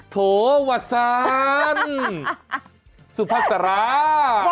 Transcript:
โถวัสซานสุพัสรา